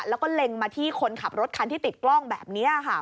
แล้วก็เล็งมาที่คนขับรถคันที่ติดกล้องแบบนี้ค่ะ